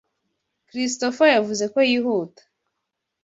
Christopher yavuze ko yihuta.